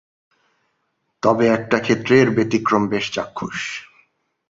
তবে একটা ক্ষেত্রে এর ব্যতিক্রম বেশ চাক্ষুষ।